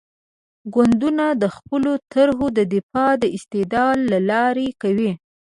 ګوندونه د خپلو طرحو دفاع د استدلال له لارې کوي.